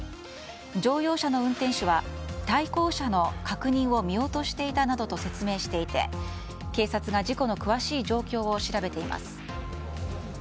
乗用車の運転手は対向車の確認を見落としていたなどと説明していて警察が事故の詳しい状況を調べています。